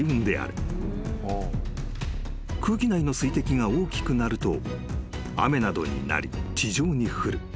［空気内の水滴が大きくなると雨などになり地上に降る］